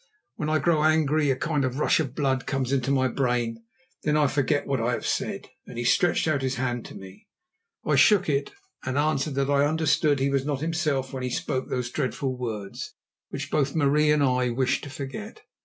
When I grow angry, a kind of rush of blood comes into my brain, and then I forget what I have said," and he stretched out his hand to me. I shook it and answered that I understood he was not himself when he spoke those dreadful words, which both Marie and I wished to forget.